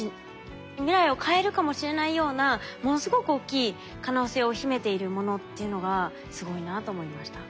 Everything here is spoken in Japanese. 未来を変えるかもしれないようなものすごく大きい可能性を秘めているものっていうのがすごいなと思いました。